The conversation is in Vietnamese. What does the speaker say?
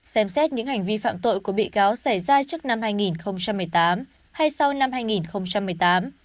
xem xét những hành vi phạm tội của bị cáo xảy ra trước năm hai nghìn một mươi tám hay sau năm hai nghìn một mươi tám